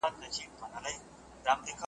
ګړی وروسته یې کرار سوله دردوونه .